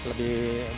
karena dari apa